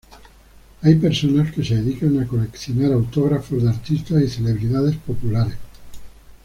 Hay personas que se dedican a coleccionar autógrafos de artistas y celebridades populares.